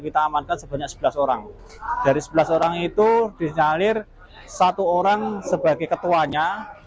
kita amankan sebanyak sebelas orang dari sebelas orang itu dinyalir satu orang sebagai ketuanya